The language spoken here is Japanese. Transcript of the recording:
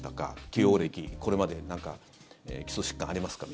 既往歴、これまで何か基礎疾患ありますか？